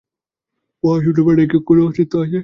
মহাশূন্যে প্রাণের কি কোনও অস্তিত্ব আছে?